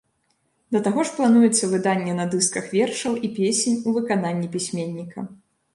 Да таго ж плануецца выданне на дысках вершаў і песень ў выкананні пісьменніка.